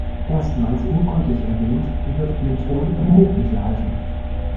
Erstmals urkundlich erwähnt wird Menthon im Hochmittelalter.